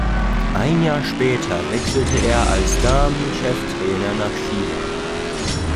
Ein Jahr später wechselte er als Damen-Cheftrainer nach China.